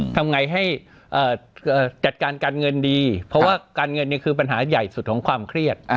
ทำไงให้จัดการการเงินดีเพราะว่าการเงินเนี่ยคือปัญหาใหญ่สุดของความเครียด